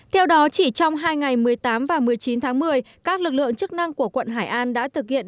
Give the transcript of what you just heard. theo đó chỉ trong hai ngày một mươi tám và một mươi chín tháng một mươi các lực lượng chức năng của quận hải an đã thực hiện